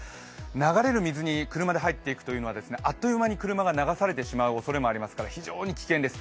流れる水に車で入っていくというのはあっという間に車が流されてしまうおそれがありますから非常に危険です。